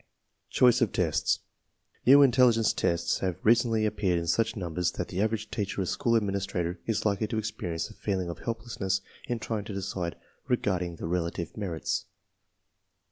Choice of tests. New intelligence tests have recently appeared in such numbers that the average teacher or school administrator is likely to experience a feeling of helplessness in trying to decide regarding their relative merits.